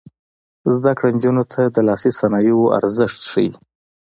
زده کړه نجونو ته د لاسي صنایعو ارزښت ښيي.